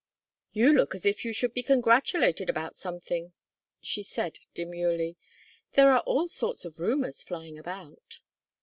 "You look as if you should be congratulated about something," she said, demurely. "There are all sorts of rumors flying about."